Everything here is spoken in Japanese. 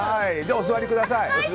お座りください。